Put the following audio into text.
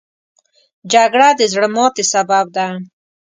جګړه د زړه ماتې سبب ده